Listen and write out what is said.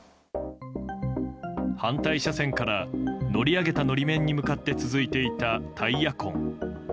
反対車線から乗り上げた法面に向かって続いていたタイヤ痕。